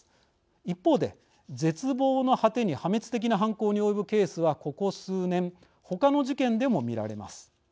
一方で、絶望の果てに破滅的な犯行に及ぶケースはここ数年他の事件でも見られます。